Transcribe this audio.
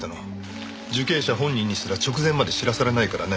受刑者本人にすら直前まで知らされないからね。